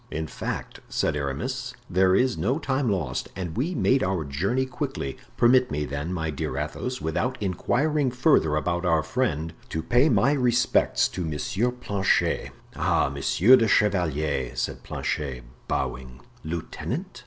"In fact," said Aramis, "there is no time lost and we made our journey quickly. Permit me, then, my dear Athos, without inquiring further about our friend, to pay my respects to M. Planchet." "Ah, monsieur le chevalier," said Planchet, bowing. "Lieutenant?"